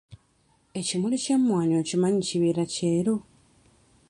Ekimuli ky'emmwanyi okimanyi kibeera kyeru?